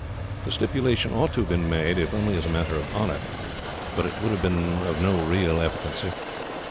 "The stipulation ought to have been made, if only as a matter of honour, but it would have been of no real efficiency.